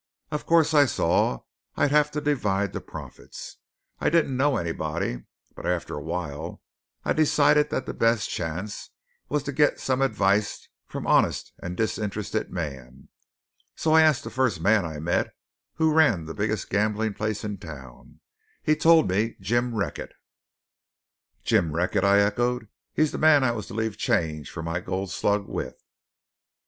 Of course I saw I'd have to divide the profits. I didn't know anybody; but after a while I decided that the best chance was to get some advice from honest and disinterested man. So I asked the first man I met who ran the biggest gambling place in town. He told me Jim Recket." "Jim Recket?" I echoed. "He's the man I was to leave change for my gold slug with."